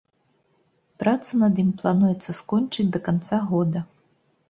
Працу над ім плануецца скончыць да канца года.